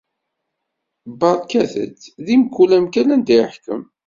Barket-t di mkul amkan anda yeḥkem!